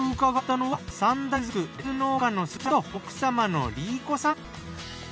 奥様のりい子さん。